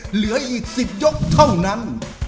เหลืออีก๑๐ยกเท่านั้น